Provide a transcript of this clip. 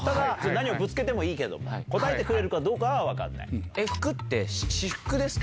何をぶつけてもいいけども答えてくれるかは分かんない。